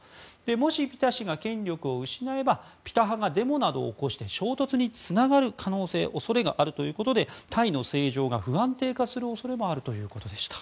もし、ピタ氏が権力を失えばピタ派がデモなどを起こして衝突につながる可能性、恐れがあるということでタイの政情が不安定化する恐れもあるということでした。